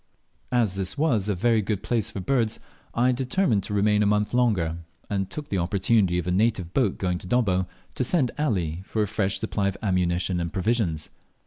As this was a very good place for birds, I determined to remain a month longer, and took the opportunity of a native boat going to Dobbo, to send Ali for a fresh supply of ammunition and provisions.